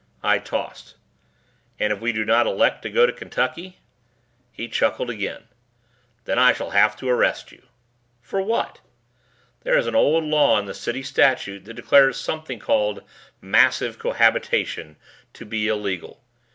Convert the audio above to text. I tossed, "And if we do not elect to go to Kentucky?" He chuckled again. "Then I shall have to arrest you." "For what?" "There is an old law in the City Statute that declares something called 'Massive Cohabitation' to be illegal.